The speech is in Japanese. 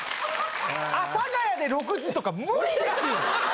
阿佐ヶ谷で６時とか無理ですよ。